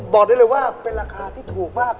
บอกได้เลยว่าเป็นราคาที่ถูกมาก